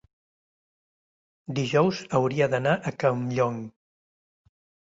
dijous hauria d'anar a Campllong.